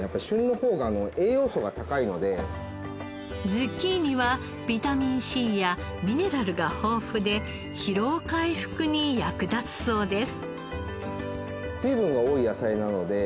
ズッキーニはビタミンＣやミネラルが豊富で疲労回復に役立つそうです。